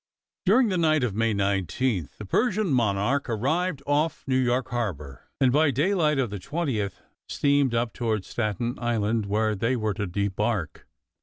During the night of May 19th, the Persian Monarch arrived off New York harbor, and by daylight of the 20th steamed up toward Staten Island, where they were to debark.